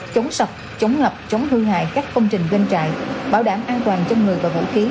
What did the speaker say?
chống sập chống ngập chống hư hại các công trình doanh trại bảo đảm an toàn cho người và vũ khí